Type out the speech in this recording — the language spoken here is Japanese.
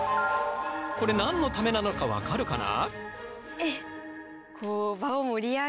これ何のためなのか分かるかな？